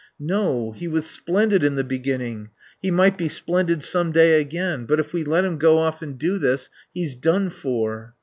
"No. He was splendid in the beginning. He might be splendid some day again. But if we let him go off and do this he's done for."